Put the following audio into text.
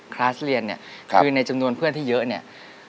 คือในจำนวนเพื่อนที่เยอะเนี่ย